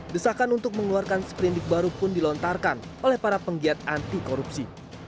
desakan untuk mengeluarkan seperindik baru pun dilontarkan oleh para penggiat anti korupsi